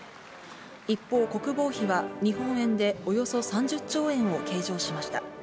一方、国防費は日本円でおよそ３０兆円を計上しました。